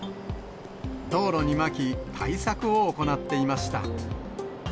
道路にまき、対策を行っていました。